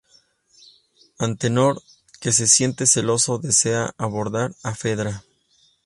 Antenor, que se siente celoso desea abordar a Fedra.